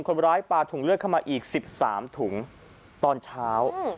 คนบร้ายปลาถูงเลือดเข้ามาอีก๑๓ถุงตอนเช้า